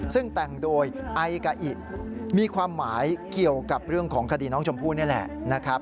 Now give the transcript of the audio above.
ซึ่งแต่งโดยไอกาอิมีความหมายเกี่ยวกับเรื่องของคดีน้องชมพู่นี่แหละนะครับ